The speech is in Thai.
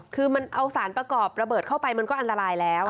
คือมันเอาสารประกอบระเบิดเข้าไปมันก็อันตรายแล้ว